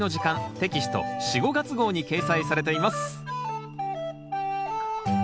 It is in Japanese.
テキスト４・５月号に掲載されています